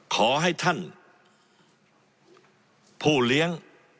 ขอให้ท่านผู้เลี้ยง